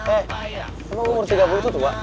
eh emang umur tiga puluh itu tua